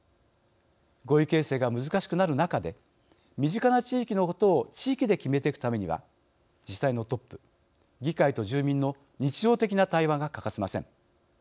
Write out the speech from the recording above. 合意形成が難しくなる中で身近な地域のことを地域で決めていくためには自治体のトップ、議会と住民の日常的な対話が欠かせません。